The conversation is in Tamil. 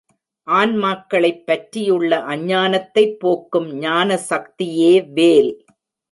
ஆன்மாக்களைப் பற்றியுள்ள அஞ்ஞானத்தைப் போக்கும் ஞானசக்தியே வேல்.